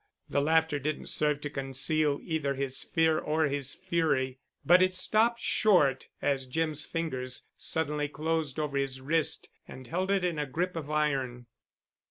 The laughter didn't serve to conceal either his fear or his fury. But it stopped short as Jim's fingers suddenly closed over his wrist and held it in a grip of iron.